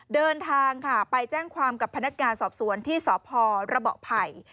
เดินทางค่ะไปแจ้งความกับพนักงานสอบสวนที่สพระเบาะไผ่